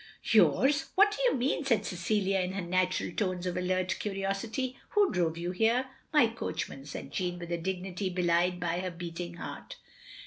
"Yours! What do you mean?" said Cecilia in her natural tones of alert curiosity. "Who drove you here?" "My coachman," said Jeanne, with a dignity belied by her beating heart.